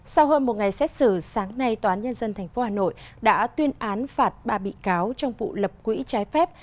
sau hơn một ngày xét xử sáng nay tòa án nhân dân tp hà nội đã tuyên án phạt ba bị cáo trong vụ lập quỹ trái phép